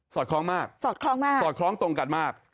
สอดคล้องมากสอดคล้องตรงกันมาก